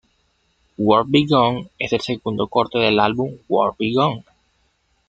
World Be Gone es el segundo corte del álbum World Be Gone.